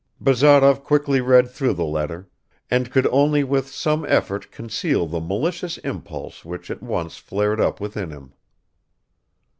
Bazarov quickly read through the letter, and could only with some effort conceal the malicious impulse which at once flared up within him.